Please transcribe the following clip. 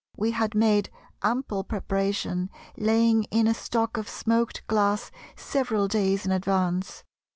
We had made ample preparation, laying in a stock of smoked glass several days in advance.